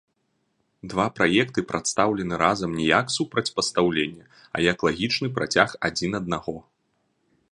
Два праекты прадстаўлены разам не як супрацьпастаўленне, а як лагічны працяг адзін аднаго.